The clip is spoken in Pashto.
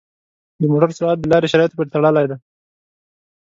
د موټر سرعت د لارې شرایطو پورې تړلی دی.